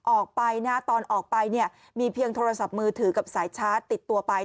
ออกไปนะตอนออกไปเนี่ยมีเพียงโทรศัพท์มือถือกับสายชาร์จติดตัวไป